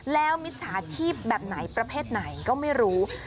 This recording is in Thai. แล้วมิจฉาชีพแบบไหนประเภทไหนก็ไม่รู้